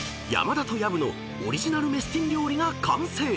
［山田と薮のオリジナルメスティン料理が完成］